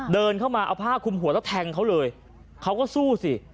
เดินเข้ามาเอาผ้าคุมหัวแล้วแทงเขาเลยเขาก็สู้สิ